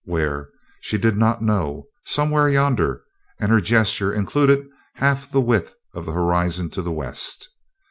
Where, she did not know. Somewhere yonder, and her gesture included half the width of the horizon to the west.